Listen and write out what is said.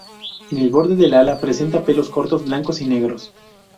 En el borde del ala presenta pelos cortos blanco y negros.